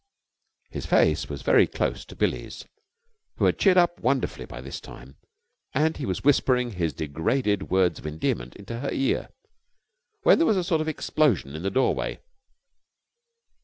His face was very close to Billie's, who had cheered up wonderfully by this time, and he was whispering his degraded words of endearment into her ear, when there was a sort of explosion in the doorway.